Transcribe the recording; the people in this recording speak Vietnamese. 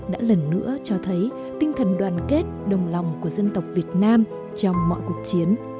đã lần nữa cho thấy tinh thần đoàn kết đồng lòng của dân tộc việt nam trong mọi cuộc chiến